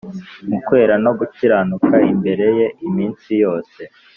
Mu kwera no gukiranuka imbere Ye, iminsi yose